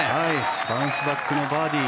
バウンスバックのバーディー。